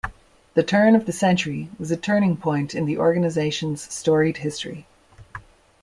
The turn of the century was a turning point in the organization's storied history.